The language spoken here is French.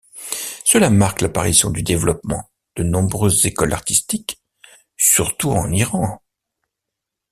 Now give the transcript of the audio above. Cela marque l'apparition du développement de nombreuses écoles artistiques, surtout en Iran.